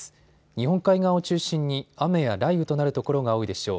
日本海側を中心に雨や雷雨となる所が多いでしょう。